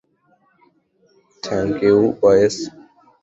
Thank you, boys!